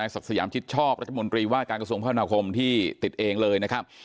ศักดิ์สยามชิดชอบรัฐมนตรีว่าการกระทรวงพัฒนาคมที่ติดเองเลยนะครับ